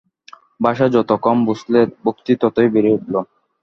ভাষা যত কম বুঝলে, ভক্তি ততই বেড়ে উঠল।